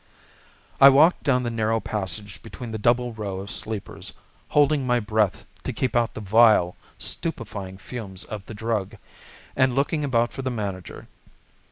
I walked down the narrow passage between the double row of sleepers, holding my breath to keep out the vile, stupefying fumes of the drug, and looking about for the manager.